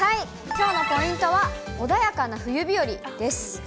きょうのポイントは、穏やかな冬日和です。